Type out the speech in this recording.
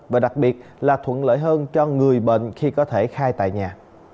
và đặc biệt là thuận lợi hơn cho người bệnh khi có thể khai tại nhà